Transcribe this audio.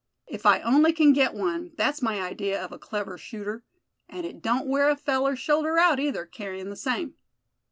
If I only can get one, that's my idea of a clever shooter. And it don't wear a feller's shoulder out, either, carryin' the same."